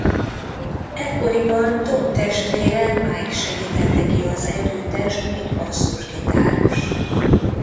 Ekkoriban Tom testvére Mike segítette ki az együttest mint basszusgitáros.